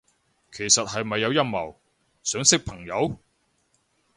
其實係咪有陰謀，想識朋友？